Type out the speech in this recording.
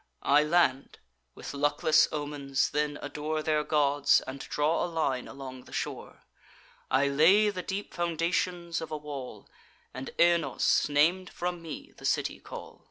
I land; with luckless omens, then adore Their gods, and draw a line along the shore; I lay the deep foundations of a wall, And Aenos, nam'd from me, the city call.